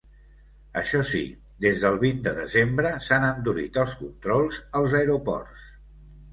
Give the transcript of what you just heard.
Això sí, des del vint de desembre s’han endurit els controls als aeroports.